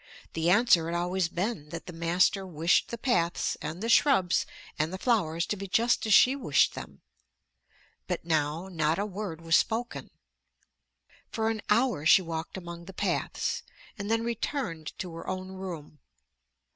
The answer had always been that the master wished the paths and the shrubs and the flowers to be just as she wished them. But now not a word was spoken. For an hour she walked among the paths, and then returned to her own room.